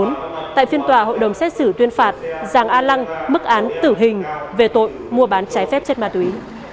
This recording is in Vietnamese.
giàng an lăng đã bỏ trốn tại phiên tòa hội đồng xét xử tuyên phạt giàng an lăng mức án tử hình về tội mua bán trái phép chất ma túy